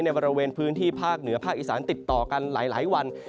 บริเวณพื้นที่ภาคเหนือภาคอีสานติดต่อกันหลายวัน